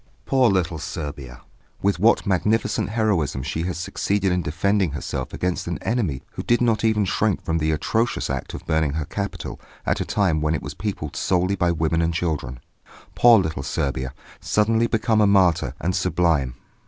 Poor little Serbia! With what magnificent heroism she has succeeded in defending herself against an enemy who did not even shrink from the atrocious act of burning her capital at a time when it was peopled solely by women and children! Poor little Serbia, suddenly become a martyr, and sublime!